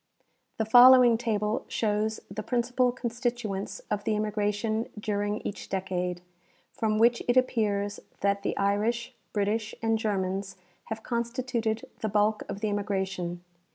The following table shows the principal constituents of the immigration during each decade, from which it appears that the Irish, British and Germans have constituted the bulk of the immigration.